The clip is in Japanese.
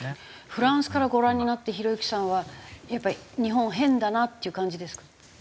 フランスからご覧になってひろゆきさんはやっぱり日本変だなっていう感じですか？